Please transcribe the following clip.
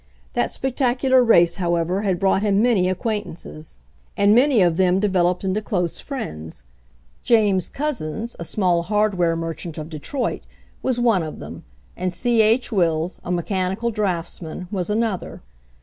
That spectacular race, however, had brought him many acquaintances, and many of them de RAISING CAPITAL 113 veloped into close friends. James Couzens, a small hardware merchant of Detroit, was one of them, and C. H. Wills, a mechanical draughts man, was another.